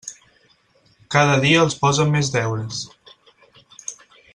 Cada dia els posen més deures.